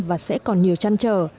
và sẽ còn nhiều chăn trở